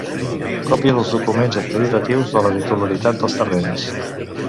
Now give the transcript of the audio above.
Còpia dels documents acreditatius de la titularitat dels terrenys.